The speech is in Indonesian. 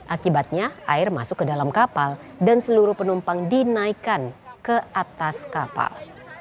akibatnya air masuk ke dalam kapal dan seluruh penumpang dinaikkan ke atas kapal